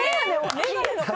眼鏡の形。